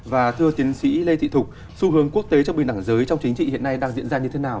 và thưa tiến sĩ lê thị thục xu hướng quốc tế trong bình đẳng giới trong chính trị hiện nay đang diễn ra như thế nào